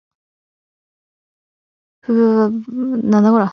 fvuufvfdivtrfvjrkvtrvuifri